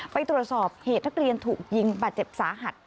ไปตรวจสอบเหตุนักเรียนถูกยิงบาดเจ็บสาหัส